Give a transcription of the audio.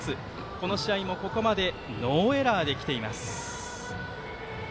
この試合もここまでノーエラーできています。